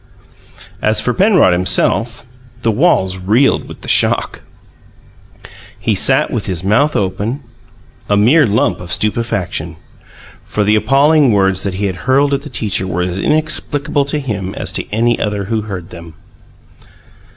As for Penrod himself, the walls reeled with the shock. He sat with his mouth open, a mere lump of stupefaction. For the appalling words that he had hurled at the teacher were as inexplicable to him as to any other who heard them.